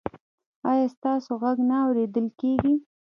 ایا ستاسو غږ نه اوریدل کیږي؟